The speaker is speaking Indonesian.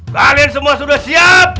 kalian semua sudah siap